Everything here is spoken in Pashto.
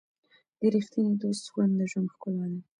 د ریښتیني دوست خوند د ژوند ښکلا ده.